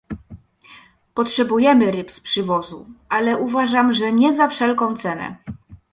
Potrzebujemy ryb z przywozu, ale uważam, że nie za wszelką cenę